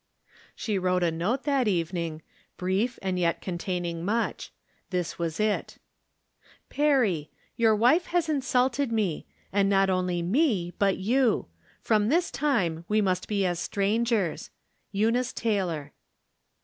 She wrote a note that evening — ^brief, and yet containing much. This was it : Peeey :— Your wife has insulted me ; and not only me, but you. From tlus time we must be as strangers. Eunice Tatioe.